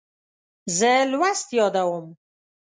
زه لوست یادوم.